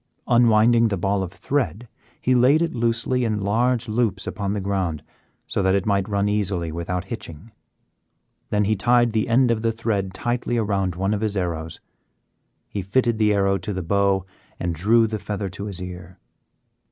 Unwinding the ball of thread, he laid it loosely in large loops upon the ground so that it might run easily without hitching, then he tied the end of the thread tightly around one of his arrows. He fitted the arrow to the bow and drew the feather to his ear.